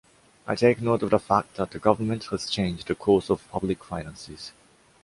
I take note of the fact that the Government has changed the course of public finances.